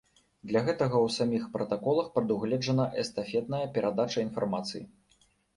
Для гэтага ў саміх пратаколах прадугледжана эстафетная перадача інфармацыі.